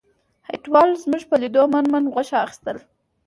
هټیوال زموږ په لیدو من من غوښه اخیستل.